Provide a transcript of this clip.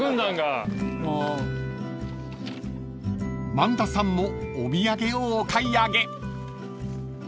［萬田さんもお土産をお買い上げ］